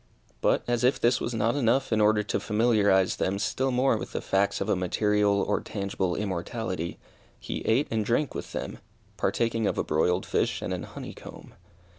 But, as if this was not enough in order to familiarize them still more with the facts of a material or tangible immortality, he ate and drank with them partaking of a broiled fish and an honey comb.